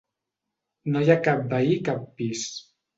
No hi ha cap veí a cap pis.